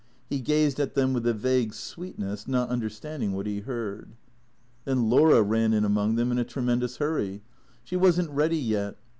He gazed at them with a vague sweetness, not understanding what he heard. Then Laura ran in among them, in a tremendous hurry. She was n't ready yet.